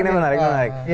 ini menarik ini menarik